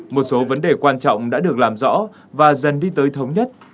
một số vấn đề quan trọng đã được làm rõ và dần đi tới thống nhất